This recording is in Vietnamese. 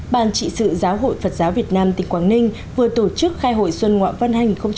bàn trị sự giáo hội phật giáo việt nam tỉnh quảng ninh vừa tổ chức khai hội xuân ngoạ vân hai nghìn một mươi bảy